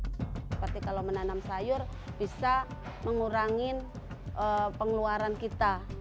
seperti kalau menanam sayur bisa mengurangi pengeluaran kita